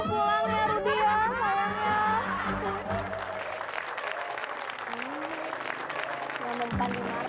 enggak memperkenalkan dia marah